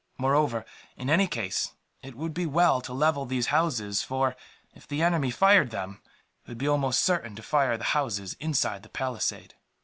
Moreover, in any case it would be well to level these houses for, if the enemy fired them, it would be almost certain to fire the houses inside the palisade."